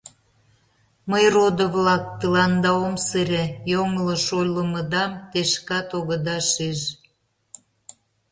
Мый, родо-влак, тыланда ом сыре: йоҥылыш ойлымыдам те шкат огыда шиж.